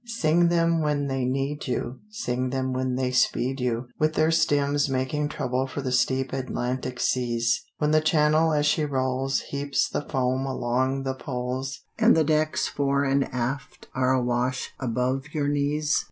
Sing them when they need you, Sing them when they speed you, With their stems making trouble for the steep Atlantic seas; When the channel as she rolls Heaps the foam along the poles, And the decks fore and aft are awash above your knees.